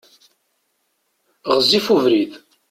Ɣezzif ubrid.